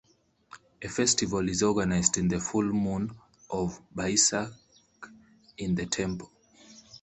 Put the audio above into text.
A festival is organized in the full moon of Baisakh in the temple.